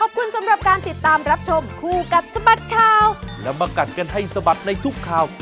ขอบคุณสำหรับการติดตามรับชมคู่กับสบัดข่าวแล้วมากัดกันให้สะบัดในทุกข่าว